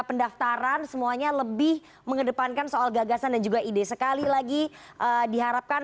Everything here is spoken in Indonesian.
pendaftaran semuanya lebih mengedepankan soal gagasan dan juga ide sekali lagi diharapkan